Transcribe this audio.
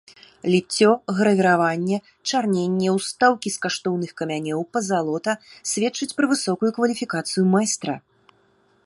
Ліццё, гравіраванне, чарненне, устаўкі з каштоўных камянёў, пазалота сведчаць пра высокую кваліфікацыю майстра.